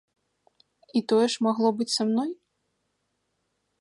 І тое ж магло быць са мной?